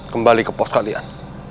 kembali ke pos kalian